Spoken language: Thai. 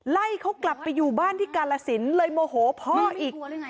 ไล่เขากลับไปอยู่บ้านที่กาลสินเลยโมโหพ่ออีก